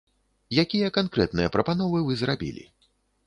Якія канкрэтныя прапановы вы зрабілі?